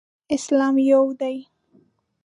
اسلام یو دی.